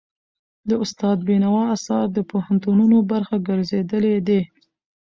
د استاد بينوا آثار د پوهنتونونو برخه ګرځېدلي دي.